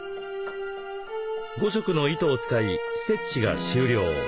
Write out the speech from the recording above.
５色の糸を使いステッチが終了。